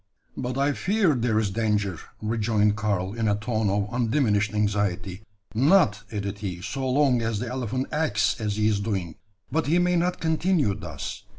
"But I fear there is clanger," rejoined Karl, in a tone of undiminished anxiety. "Not," added he, "so long as the elephant acts as he is doing; but he may not continue thus.